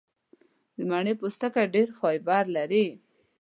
د مڼې پوستکی ډېر فایبر لري.